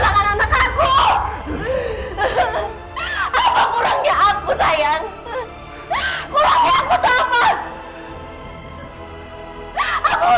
aku udah bukti semuanya ke kamu